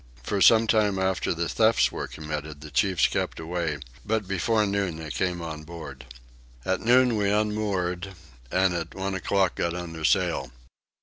For some time after the thefts were committed the chiefs kept away, but before noon they came on board. At noon we unmoored, and at one o'clock got under sail.